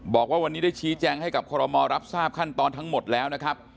บอกว่าวันนี้ได้ชี้แจงให้กับคอรมอลรับทราบขั้นตอนทั้งหมดแล้วนะครับ